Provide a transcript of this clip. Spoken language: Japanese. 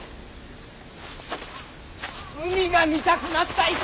海が見たくなった。